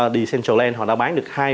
decentraland họ đã bán được